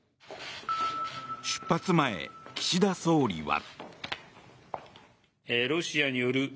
出発前、岸田総理は。